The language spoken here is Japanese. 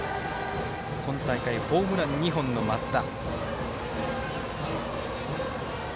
今大会ホームラン２本の松田。